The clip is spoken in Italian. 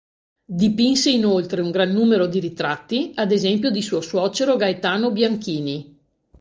Dipinse inoltre un gran numero di ritratti, ad esempio di suo suocero Gaetano Bianchini.